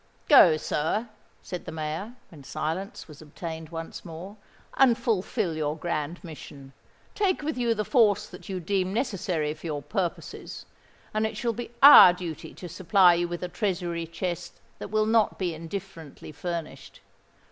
"Go, sir," said the Mayor, when silence was obtained once more, "and fulfil your grand mission. Take with you the force that you deem necessary for your purposes; and it shall be our duty to supply you with a treasury chest that will not be indifferently furnished.